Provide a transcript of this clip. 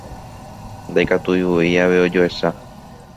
Ndaikatuivoi ave ojoecha.